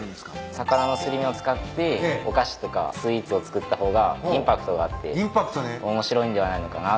魚のすり身を使ってお菓子とかスイーツを作った方がインパクトがあって面白いんではないのかなと。